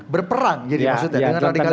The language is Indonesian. berperang jadi maksudnya dengan radikalisme